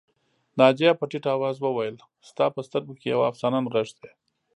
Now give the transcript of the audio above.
ناجیه په ټيټ آواز وویل ستا په سترګو کې یوه افسانه نغښتې